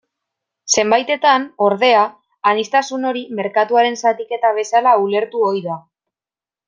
Zenbaitetan, ordea, aniztasun hori merkatuaren zatiketa bezala ulertu ohi da.